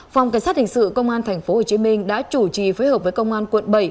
phòng cảnh sát hình sự công an tp hcm đã chủ trì phối hợp với công an quận bảy